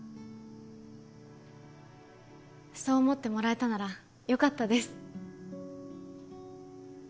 そう思ってもらえたならよかったです